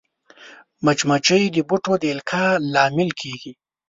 مچمچۍ د بوټو د القاح لامل کېږي